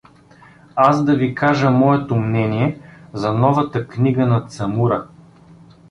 — Аз да ви кажа моето мнение за новата книга на Цамура!